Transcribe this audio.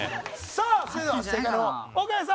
さあそれでは正解の方岡谷さん